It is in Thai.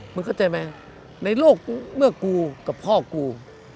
มันเข้าใจไหมในโลกเมื่อกูกับพ่อกู